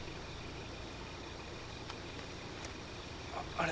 あれ。